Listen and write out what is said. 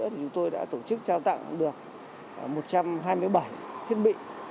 chúng tôi đã tổ chức trao tặng được một trăm hai mươi bảy thiết bị